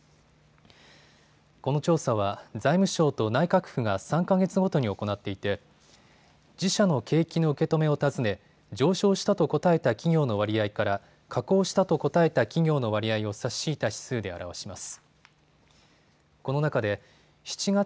この調査は財務省と内閣府が３か月ごとに行っていて自社の景気の受け止めを尋ね上昇したと答えた企業の割合から下降したと答えた企業の割合を差し引いた指数で表します。